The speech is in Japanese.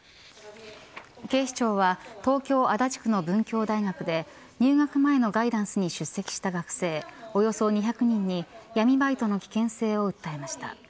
警視庁は東京、足立区の文教大学で入学前のガイダンスに出席した学生およそ２００人に闇バイトの危険性を訴えました。